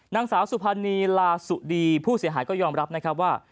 นางสาวสุพรรณีลาสุดีผู้เสียหายก็ยอมรับนะครับว่า